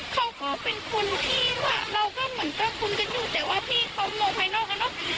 เขาก็เป็นคนที่ว่าเราก็เหมือนก็คุมกันอยู่แต่ว่าพี่เขามองภายนอกแล้วเนอะ